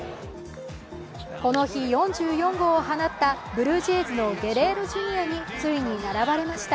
この日４４号を放ったブルージェイズのゲレーロジュニアについに並ばれました。